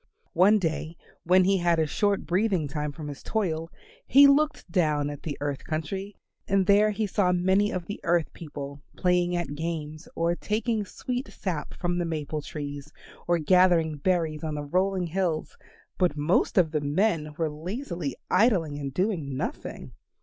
One day when he had a short breathing time from his toil he looked down at the earth country and there he saw many of the earth people playing at games, or taking sweet sap from the maple trees, or gathering berries on the rolling hills; but most of the men were lazily idling and doing nothing.